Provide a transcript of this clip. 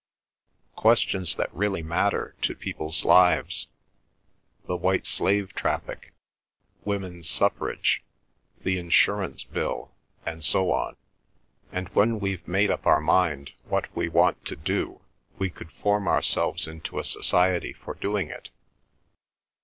Questions that really matter to people's lives, the White Slave Traffic, Women Suffrage, the Insurance Bill, and so on. And when we've made up our mind what we want to do we could form ourselves into a society for doing it.